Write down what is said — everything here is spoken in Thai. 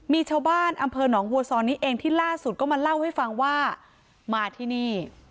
มีชาวบ้านอำเภอหนองวัวซอนนี้เองที่ล่าสุดก็มาเล่าให้ฟังว่ามาที่นี่